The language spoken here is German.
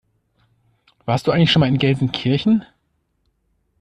Warst du schon mal in Gelsenkirchen?